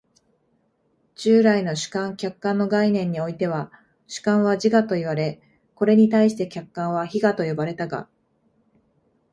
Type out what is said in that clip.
従来の主観・客観の概念においては、主観は自我といわれ、これに対して客観は非我と呼ばれたが、